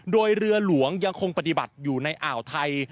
โดยเรือหลวงยังคงปฏิบัติอยู่ในอ่าวไทย